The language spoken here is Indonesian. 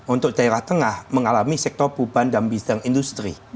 untuk daerah tengah mengalami sektor perubahan dalam bidang industri